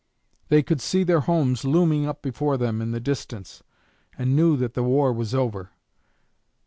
They could see their homes looming up before them in the distance, and knew that the war was over.